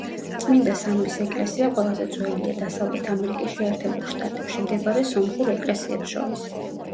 წმინდა სამების ეკლესია ყველაზე ძველია დასავლეთ ამერიკის შეერთებულ შტატებში მდებარე სომხურ ეკლესიებს შორის.